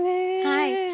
はい。